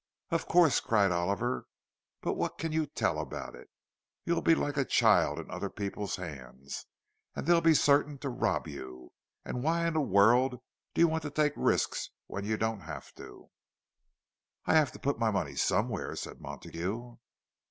"Of course!" cried Oliver. "But what can you tell about it? You'll be like a child in other people's hands, and they'll be certain to rob you. And why in the world do you want to take risks when you don't have to?" "I have to put my money somewhere," said Montague.